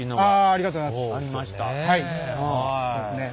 ありがとうございます。